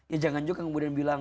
ya jangan juga kemudian bilang